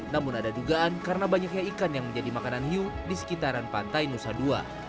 namun ada dugaan karena banyaknya ikan yang menjadi makanan hiu di sekitaran pantai nusa dua